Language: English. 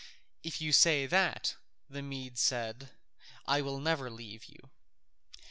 "If you say that," said the Mede, "I will never leave you."